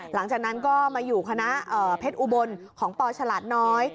หลังจากนั้นก็มาอยู่คณะเพชรอุบลของปฉลาดน้อย